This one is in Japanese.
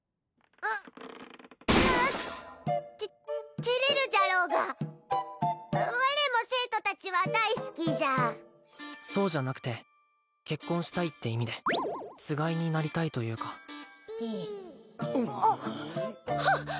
うって照れるじゃろうが我も生徒達は大好きじゃそうじゃなくて結婚したいって意味でつがいになりたいというかはっ！